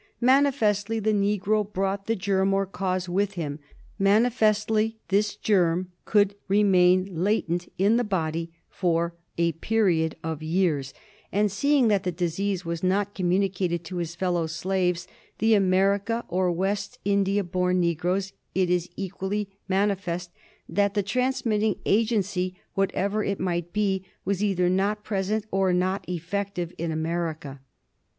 Manifestly the negro brought the germ, or cause, with him ; manifestly this germ could remain latent in the body for a period of years; and, seeing that the disease was not communicated to his fellow slaves, the America or West India born negroes, it is equally manifest that the transmitting agency, whatever it might be, was either not present or not effective in America.